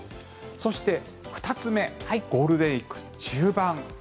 そして、２つ目ゴールデンウィーク中盤。